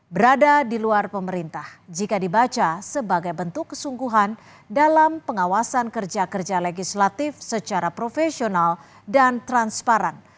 berada di luar pemerintah jika dibaca sebagai bentuk kesungguhan dalam pengawasan kerja kerja legislatif secara profesional dan transparan